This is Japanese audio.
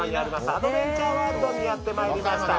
アドベンチャーワールドにやってまいりました。